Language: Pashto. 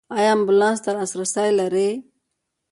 ایا امبولانس ته لاسرسی لرئ؟